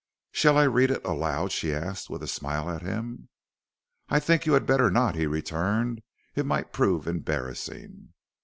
"Shall I read it aloud?" she asked with a smile at him. "I think you had better not," he returned; "it might prove embarrassing."